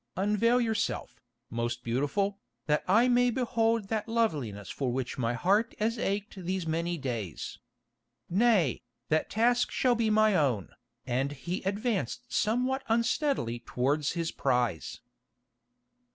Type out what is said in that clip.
Unveil yourself, most beautiful, that I may behold that loveliness for which my heart has ached these many days. Nay, that task shall be my own," and he advanced somewhat unsteadily towards his prize.